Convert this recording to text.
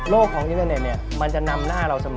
ของอินเทอร์เน็ตมันจะนำหน้าเราเสมอ